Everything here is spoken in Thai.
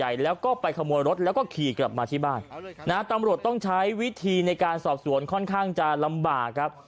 ใหญ่แล้วก็ไปขโมยรถแล้วก็ขี่กลับมาที่บ้านนะตำรวจต้องใช้วิธีในการสอบสวนค่อนข้างจะลำบากครับ